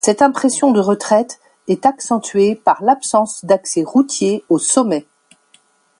Cette impression de retraite est accentuée par l'absence d'accès routier au sommet.